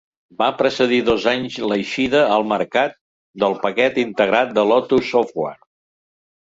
Va precedir dos anys l'eixida al mercat del paquet integrat de Lotus Software.